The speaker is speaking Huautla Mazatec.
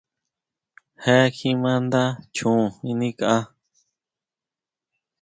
Je kjima nda chon nguinikʼa.